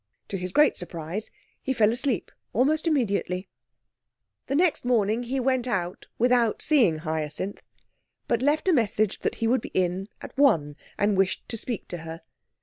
To his great surprise, he fell asleep almost immediately. The next morning he went out without seeing Hyacinth, but left a message that he would be in at one, and wished to speak to her.